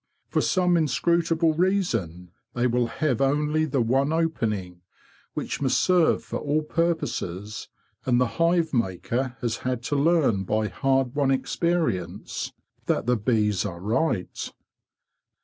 For some inscrutable reason they will have only the one opening, which must serve for all purposes, and the hive maker has had to learn by hard won experience that the bees are right.